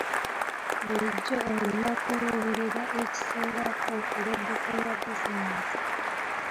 Bulijjo olina kuluubirira ekisingako ng'oddukanya bizinensi.